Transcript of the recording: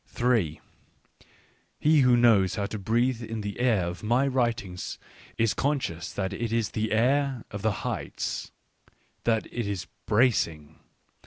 r He who knows how to breathe in the air of my writings is conscious that it is the air of the heights, that it is bracing.